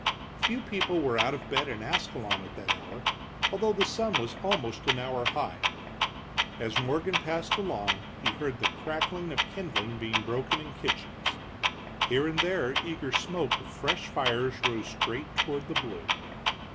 Few people were out of bed in Ascalon at that hour, although the sun was almost an hour high. As Morgan passed along he heard the crackling of kindling being broken in kitchens. Here and there the eager smoke of fresh fires rose straight toward the blue.